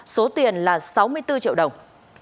số tiền là sáu mươi bốn triệu đồng